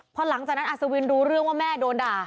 พอหลังจากนั้นอัศวินรู้เรื่องว่าแม่โดนด่า